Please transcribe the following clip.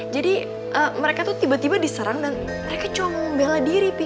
jadi mereka tuh tiba tiba diserang dan mereka cuma mau bela diri pi